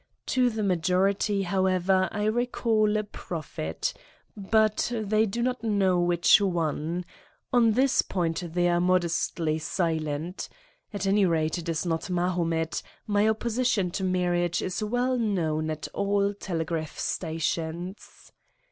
To the ma jority, however, I recall a Prophet, but they do not know which one. On this point they are modestly Silent, At any rate it is not Mahomet: my opposition to marriage is well known at all telegraph stations.